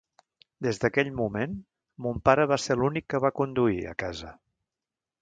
Des d’aquell moment, mon pare va ser l’únic que va conduir a casa.